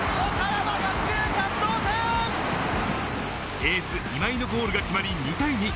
エース・今井のゴールが決まり２対２。